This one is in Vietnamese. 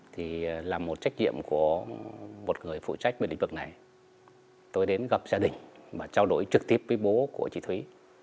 thì là một trách nhiệm của một người phụ trách về lĩnh vực này tôi đến gặp gia đình và trao đổi trực tiếp với bố của chị thúy